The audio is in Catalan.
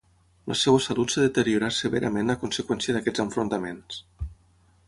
La seva salut es deteriorà severament a conseqüència d'aquests enfrontaments.